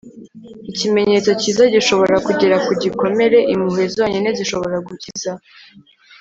ikimenyetso cyiza gishobora kugera ku gikomere impuhwe zonyine zishobora gukiza